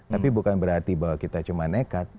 tapi bukan berarti bahwa kita cuma nekat